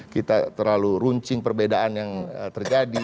kita terlalu runcing perbedaan yang terlalu banyak